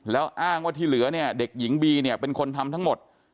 แล้วอ้างว่าที่เหลือเนี่ยเด็กหญิงบีเนี่ยเป็นคนทำทั้งหมด